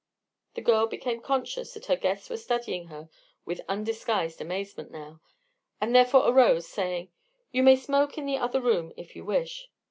The girl became conscious that her guests were studying her with undisguised amazement now, and therefore arose, saying, "You may smoke in the other room if you wish."